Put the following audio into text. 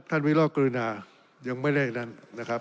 ท่านวิลากรินายังไม่ได้อย่างนั้นนะครับ